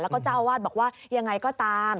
แล้วก็เจ้าอาวาสบอกว่ายังไงก็ตาม